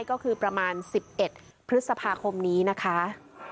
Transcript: ก็คือประมาณ๑๑พฤษภาคมนี้นะคะ